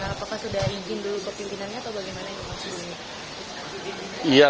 apakah sudah izin dulu kepimpinannya atau bagaimana